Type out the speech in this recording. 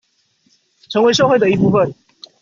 成為社會的一部分